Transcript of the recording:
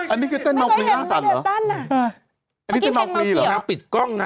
อันนี้คือเต้นเมาคลีล่าสัตว์เหรอไม่เคยเห็นมะยังนาเดตเต้นอ่ะไม่เคยเห็นมะยังนาเดตเต้นอ่ะ